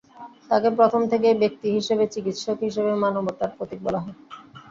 তাঁকে প্রথম থেকেই ব্যক্তি হিসেবে, চিকিৎসক হিসেবে মানবতার প্রতীক বলা হয়।